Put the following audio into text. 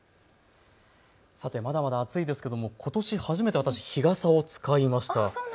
さて、まだまだ暑いですけどもことし初めて日傘を使いました。